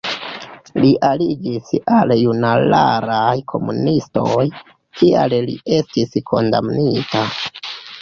Li aliĝis al junularaj komunistoj, tial li estis kondamnita.